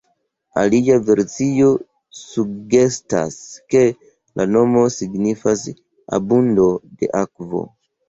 Alia versio sugestas ke la nomo signifis “abundo de akvo”.